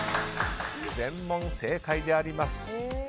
全問正解であります。